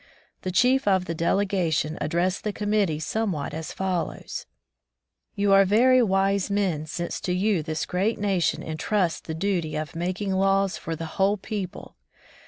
The chief of the delegation addressed the committee somewhat as follows : "You are very wise men, since to you this great nation entrusts the duty of making laws for the whole people.